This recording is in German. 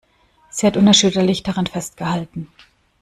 Sie hat unerschütterlich daran festgehalten.